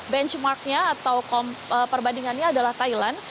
benchmarknya atau perbandingannya adalah thailand